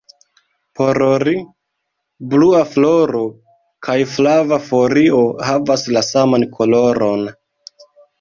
Por ri, blua floro kaj flava folio havas la saman koloron.